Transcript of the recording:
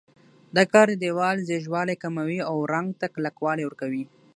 دا کار د دېوال ځیږوالی کموي او رنګ ته کلکوالی ورکوي.